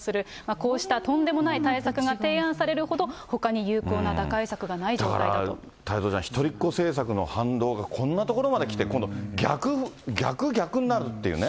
こうしたとんでもない対策が提案されるほど、ほかに有効な打開策だから、太蔵ちゃん、一人っ子政策の反動がこんなところまできて、今度、逆、逆、逆になってっていうね。